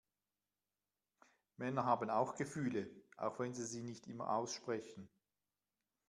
Männer haben auch Gefühle, auch wenn sie sie nicht immer aussprechen.